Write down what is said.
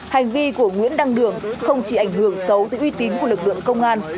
hành vi của nguyễn đăng đường không chỉ ảnh hưởng xấu tới uy tín của lực lượng công an